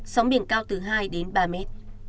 sống biển cao từ hai đến ba mét